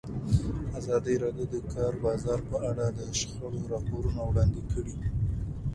ازادي راډیو د د کار بازار په اړه د شخړو راپورونه وړاندې کړي.